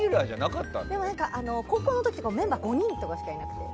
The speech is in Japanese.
高校の時とかメンバー５人とかしかいなくて。